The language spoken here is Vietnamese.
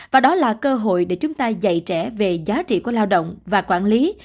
và đó là cơ hội để chúng ta dạy trẻ về giá trị của lao động và quản lý